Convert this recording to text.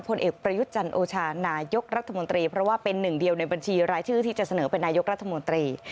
ผลเอกประยุทธ์จันโอชานายกรัฐมนตรีเพราะว่าเป็นหนึ่งเดียวในบัญชีรายชื่อที่จะเสนอเป็นนายกรัฐมนตรี